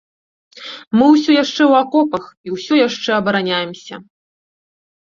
Мы ўсё яшчэ ў акопах і ўсё яшчэ абараняемся.